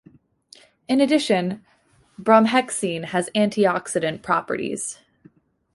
In addition, bromhexine has antioxidant properties.